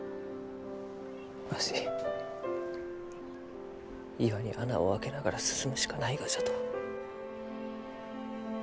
わし岩に穴を開けながら進むしかないがじゃと。